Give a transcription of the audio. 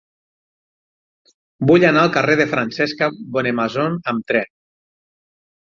Vull anar al carrer de Francesca Bonnemaison amb tren.